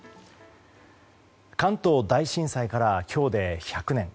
関東大震災から今日で１００年。